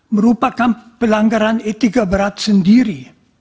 merupakan pelanggaran etika berat sendiri